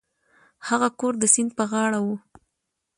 هغه کور د سیند په غاړه و.